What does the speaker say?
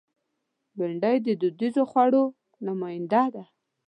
بېنډۍ د دودیزو خوړو نماینده ده